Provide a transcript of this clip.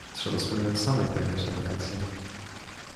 „Trzeba spróbować samej pojechać na wakacje.